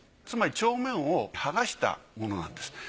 つまり帳面を剥がしたものなんです。